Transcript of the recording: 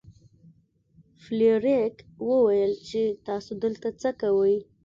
فلیریک وویل چې تاسو دلته څه کوئ.